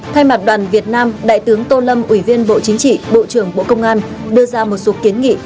thay mặt đoàn việt nam đại tướng tô lâm ủy viên bộ chính trị bộ trưởng bộ công an đưa ra một số kiến nghị